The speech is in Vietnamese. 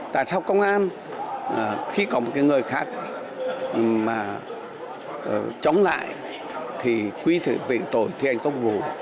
tại sao công an khi có một người khác chống lại thì quy thể vệ tội thi hành công vụ